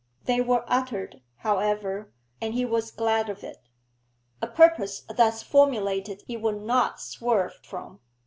They were uttered, however, and he was glad of it. A purpose thus formulated he would not swerve from.